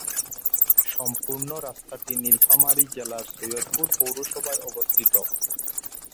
সম্পূর্ণ রাস্তাটি নীলফামারী জেলার সৈয়দপুর পৌরসভায় অবস্থিত।